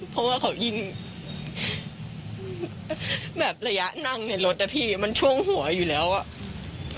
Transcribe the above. เพราะว่าเขายิงแบบระยะนั่งในรถอ่ะพี่มันช่วงหัวอยู่แล้วอ่ะ